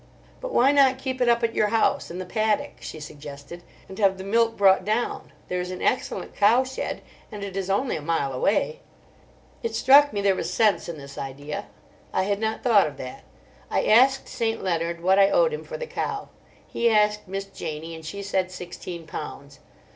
"But why not keep it up at your house, in the paddock," she suggested, "and have the milk brought down? There is an excellent cowshed, and it is only a mile away." It struck me there was sense in this idea. I had not thought of that. I asked St. Leonard what I owed him for the cow. He asked Miss Janie, and she said sixteen pounds.